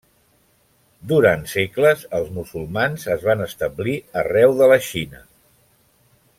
Durant segles els musulmans es van establir arreu de la Xina.